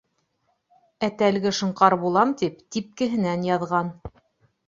Әтәлге, шоңҡар булам тип, типкеһенән яҙған.